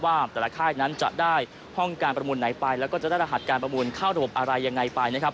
ว่าแต่ละค่ายนั้นจะได้ห้องการประมูลไหนไปแล้วก็จะได้รหัสการประมูลเข้าระบบอะไรยังไงไปนะครับ